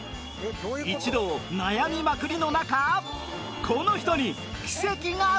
一同悩みまくりの中この人に奇跡が